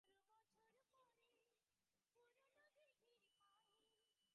অধ্যাত্ম-জগতের অপূর্ব তত্ত্বসমূহের বিনিময়ে আমরা জড়রাজ্যের অদ্ভুত বিষয়গুলি শিক্ষা করিব।